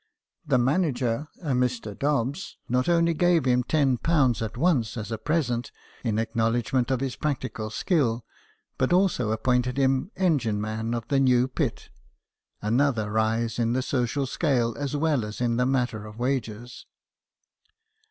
The manager, a Mr. Dodds, not only gave him ten pounds at once as a present, in acknow ledgment of his practical skill, but also ap pointed him engine man of the new pit, another rise in the social scale as well as in the matter of wages.